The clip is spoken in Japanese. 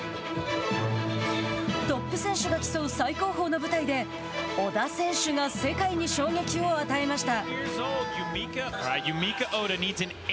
トップ選手が競う最高峰の舞台で織田選手が世界に衝撃を与えました。